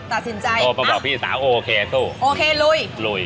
ตัดสินใจโทรมาบอกพี่สาวโอเคสู้โอเคลุย